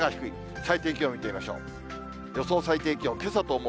最低気温見てみましょう。